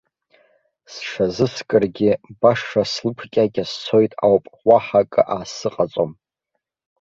Сҽазыскыргьы баша слықәкьакьа сцоит ауп, уаҳа акы аасзыҟаҵом.